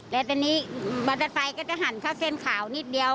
แล้วตอนนี้มอเตอร์ไซค์ก็จะหันเข้าเส้นขาวนิดเดียว